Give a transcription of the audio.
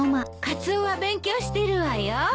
カツオは勉強してるわよ。